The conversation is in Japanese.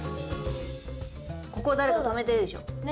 ここを誰か止めてるでしょ。ね。